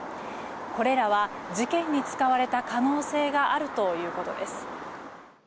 これらは事件に使われた可能性があるということです。